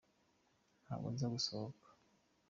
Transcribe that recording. ntabwo nza gusohoka.